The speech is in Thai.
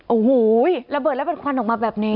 โอ้โหระเบิดแล้วเป็นควันออกมาแบบนี้